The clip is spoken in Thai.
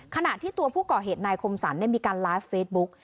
ขณะที่ตัวผู้ก่อเหตุนายคมสรรมีการไลฟ์เฟซบุ๊ก